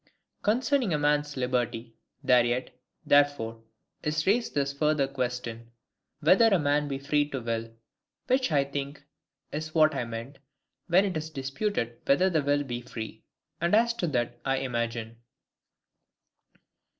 Concerning a man's liberty, there yet, therefore, is raised this further question, WHETHER A MAN BE FREE TO WILL? which I think is what is meant, when it is disputed whether the will be free. And as to that I imagine.